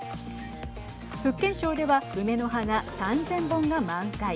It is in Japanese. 福建省では梅の花３０００本が満開。